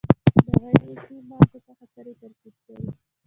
د غیر عضوي مالګو څخه سرې ترکیب کړي.